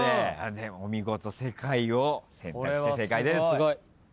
お見事「世界」を選択して正解です。